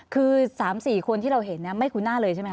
คือ๓๔คนที่เราเห็นไม่คุ้นหน้าเลยใช่ไหมค